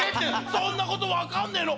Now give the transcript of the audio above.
そんなこと分かんねえの？